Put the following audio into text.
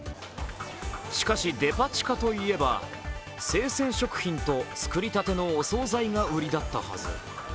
しかしデパ地下といえば、生鮮食品と作りたてのお総菜が売りだったはず。